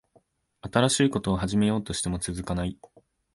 新しいこと始めようとしても続かない